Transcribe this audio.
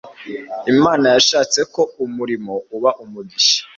Imana yashatse ko umurimo uba umugisha,